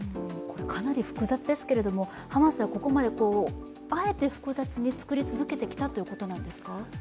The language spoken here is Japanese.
かなり複雑ですけれども、ハマスはあえて複雑に作り続けてきたということなんですか。